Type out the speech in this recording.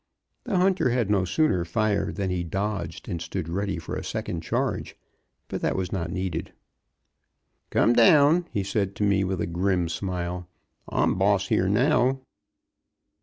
The hunter had no sooner fired than he dodged, and stood ready for a second charge; but that was not needed. "Come down," he said to me with a grim smile. "I'm boss here now."